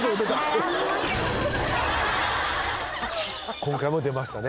今回も出ましたね